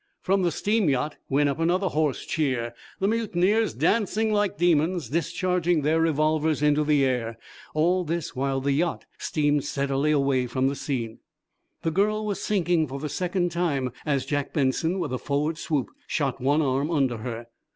From the steam yacht went up another hoarse cheer, the mutineers dancing like demons, discharging their revolvers into the air. All this while the yacht steamed steadily away from the scene. The girl was sinking for the second time as Jack Benson, with a forward swoop, shot one arm under her.